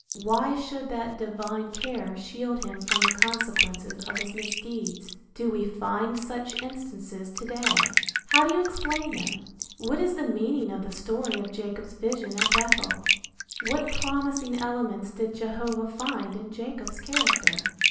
Why should that divine care shield him from the consequences of his misdeeds? Do we find such instances to day? How do you explain them? What is the meaning of the story of Jacob's vision at Bethel? What promising elements did Jehovah find in Jacob's character?